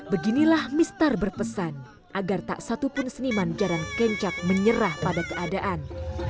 beginilah mistar berpesan agar tak satupun seniman jaran kencak menyerah pada keadaan